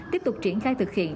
tiếp tục triển khai thực hiện